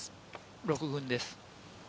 ６群です。